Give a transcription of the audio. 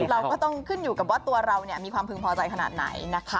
เราก็ต้องขึ้นอยู่กับว่าตัวเรามีความพึงพอใจขนาดไหนนะคะ